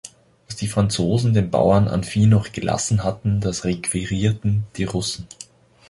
Was die Franzosen den Bauern an Vieh noch gelassen hatten, das requirierten die Russen.